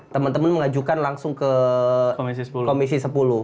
teman teman mengajukan langsung ke komisi sepuluh